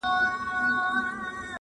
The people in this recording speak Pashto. • له نسیم سره زګېروئ د جانان راغی -